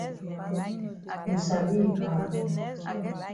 You sabi yi pa.